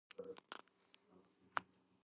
ემბა ძირითადად საზრდოობს თოვლის წყლით.